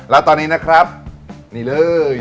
แล้วตอนนี้นะครับนี่เลย